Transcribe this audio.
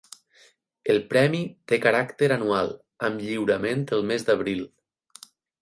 El premi té caràcter anual, amb lliurament el mes d'abril.